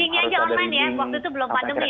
waktu itu belum pandemi ya bang